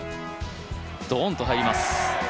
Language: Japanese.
ドンと入ります。